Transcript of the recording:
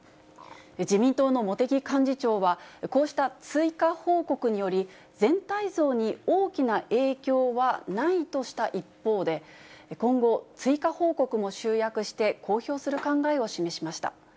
自民党の茂木幹事長は、こうした追加報告により、全体像に大きな影響はないとした一方で、今後、追加報告も集約して公表する考えを示しました。